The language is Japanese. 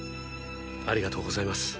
ありがとうございます。